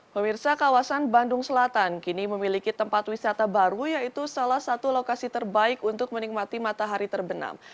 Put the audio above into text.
pemirsa kawasan bandung selatan kini memiliki tempat wisata baru yaitu salah satu lokasi terbaik untuk menikmati matahari terbenam